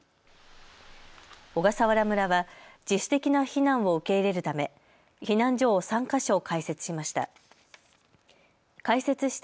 小笠原村は自主的な避難を受け入れるため避難所を３か所、開設しました。